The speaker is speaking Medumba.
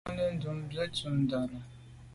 Tsiante ndùb be ntùm ndà.